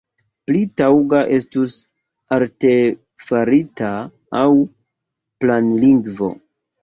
Pli taŭga estus artefarita aŭ planlingvo.